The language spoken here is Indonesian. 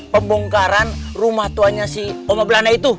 pembongkaran rumah tuanya si oma belanda itu